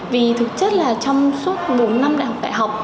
vì thực chất là trong suốt bốn năm đại học